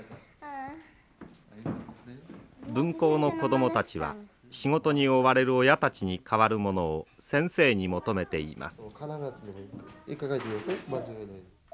分校の子どもたちは仕事に追われる親たちに代わるものを先生に求めています。